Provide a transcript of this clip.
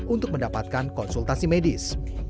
untuk mendapatkan konsultasi medis